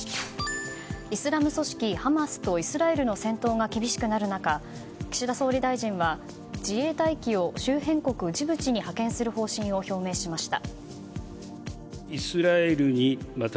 イスラム組織ハマスとイスラエルの戦闘が厳しくなる中、岸田総理大臣は自衛隊機を周辺国ジブチに派遣する方針を表明しました。